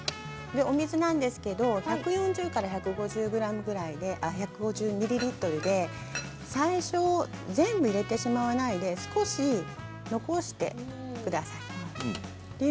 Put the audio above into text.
お水なんですけど１４０から１５０ミリリットルぐらいで最初全部入れてしまわないで少し残してください。